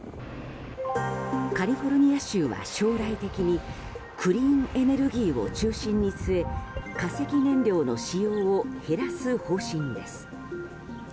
カリフォルニア州は将来的にクリーンエネルギーを中心に据え化石燃料の使用を減らす方針です。